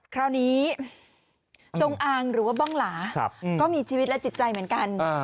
คราวนี้จงอางหรือว่าบ้องหลาก็มีชีวิตและจิตใจเหมือนกัน